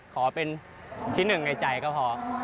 ขอเป็นที่หนึ่งในใจก็พอ